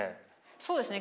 そうですね